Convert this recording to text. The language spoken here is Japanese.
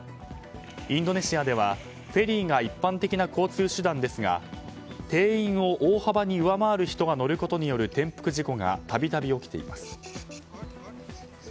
インドネシアではフェリーが一般的な交通手段ですが定員を大幅に上回る人が乗ることによる転覆事故が度々起きています。